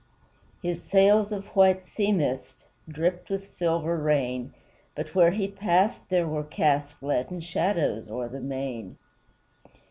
His sails of white sea mist Dripped with silver rain; But where he passed there were cast Leaden shadows o'er the main.